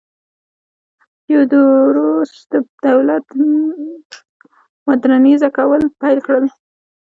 تیودوروس د دولت م وډرنیزه کول پیل کړل.